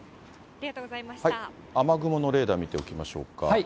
雨雲のレーダー見ておきまし